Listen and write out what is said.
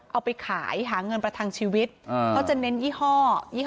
เอาไปขายหาเงินประทังชีวิตเขาจะเน้นยี่ห้อี่